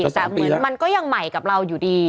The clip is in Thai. แต่เหมือนมันก็ยังใหม่กับเราอยู่ดี